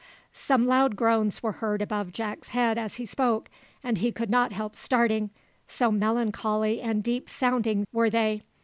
Some loud groans were heard above Jack's head as he spoke, and he could not help starting, so melancholy and deep sounding were they.